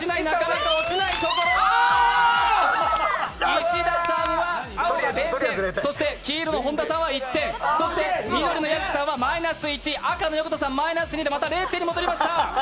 石田さんは青が０点、黄色の本田さんは１点、そして緑の屋敷さんはマイナス１、赤の横田さんマイナス２でまた０点に戻りました！